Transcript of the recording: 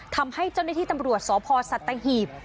ทำให้เจ้าหน้าที่ตำรวจสพสัตหีบ